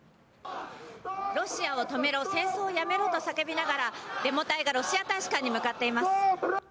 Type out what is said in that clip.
ロシアを止めろ、戦争をやめろと叫びながらデモ隊がロシア大使館に向かっています。